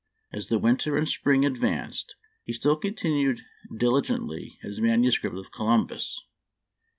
As the winter and spring advanced he still con tinued diligently at his manuscript of Columbus.